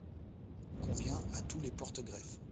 Convient à tous les porte-greffes.